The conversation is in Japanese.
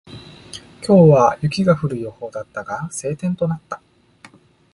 今日は雪が降る予報だったが、晴天となった。